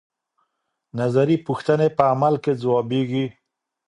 نظري پوښتنې په عمل کې ځوابيږي.